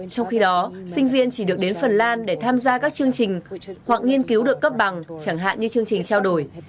trong khi đó sinh viên chỉ được đến phần lan để tham gia các chương trình hoặc nghiên cứu được cấp bằng chẳng hạn như chương trình trao đổi